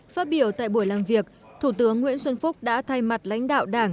phát biểu tại buổi làm việc thủ tướng nguyễn xuân phúc đã thay mặt lãnh đạo đảng